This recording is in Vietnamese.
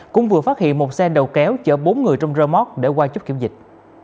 cũng vừa phát hiện một xe đầu kéo chở bốn người trong rơ móc để qua chốt kiểm dịch